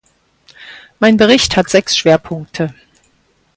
Mein Bericht hat sechs Schwerpunkte.